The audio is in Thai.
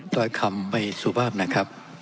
ต่อคำไปสุภาพนะครับ